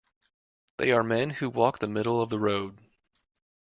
They are men who walk the middle of the road.